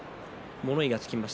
物言いがつきました。